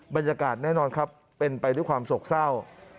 บรรยากาศแน่นอนครับเป็นไปด้วยความโศกเศร้า